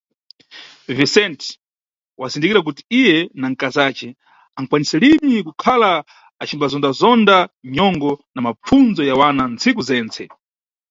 Vicente wazindikira kuti iye na nkazace ankwanisalini kukhala acimbazondazonda nyongo na mapfundzo ya wana ntsiku zentse.